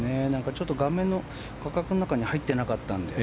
ちょっと画面の画角の中に入ってなかったので。